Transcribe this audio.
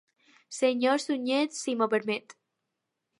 Senyor Sunyer, si m'ho permet.